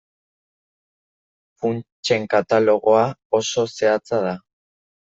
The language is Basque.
Funtsen katalogoa oso zehatza da.